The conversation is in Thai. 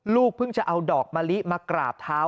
เพิ่งจะเอาดอกมะลิมากราบเท้า